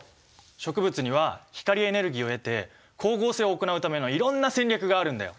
植物には光エネルギーを得て光合成を行うためのいろんな戦略があるんだよ。